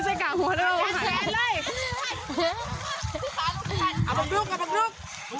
เอาบางลูกเอาบางลูก